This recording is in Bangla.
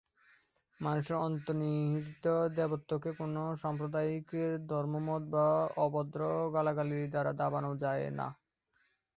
মানুষের অন্তর্নিহিত দেবত্বকে কোন সাম্প্রদায়িক ধর্মমত বা অভদ্র গালাগালির দ্বারা দাবানো যায় না।